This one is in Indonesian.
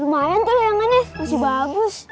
lumayan tuh layangannya masih bagus